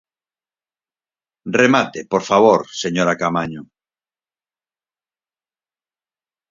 Remate, por favor, señora Caamaño.